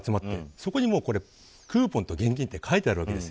そこにクーポンと現金って書いてあります。